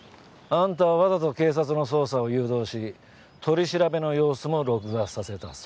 アンタはわざと警察の捜査を誘導し取り調べの様子も録画させた。